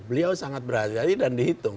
beliau sangat berhati hati dan dihitung